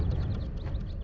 nanti aku akan datang